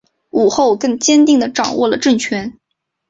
武后更坚定地掌握了政权。